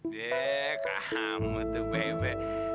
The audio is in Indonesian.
be kamu tuh bebe